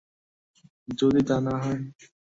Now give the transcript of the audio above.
যদি তা না হয়?